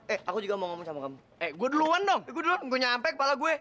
eh aku juga mau ngomong sama kamu gue duluan dong gue nyampe kepala gue